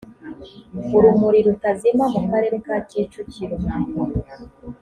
urumuri rutazima mu karere ka kicukiro